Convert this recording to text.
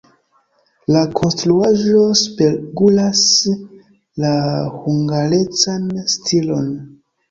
La konstruaĵo spegulas la hungarecan stilon.